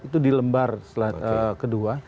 itu di lembar kedua